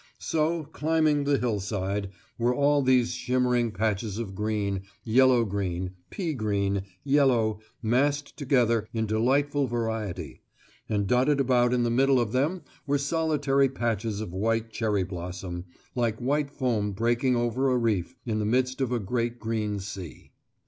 So, climbing the hill side, were all these shimmering patches of green, yellow green, pea green, yellow, massed together in delightful variety; and dotted about in the middle of them were solitary patches of white cherry blossom, like white foam breaking over a reef, in the midst of a great green sea.